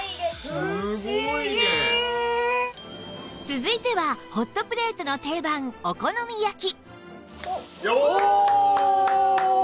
続いてはホットプレートの定番お好み焼きおお！